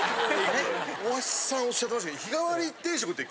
大橋さんおっしゃってましたけど。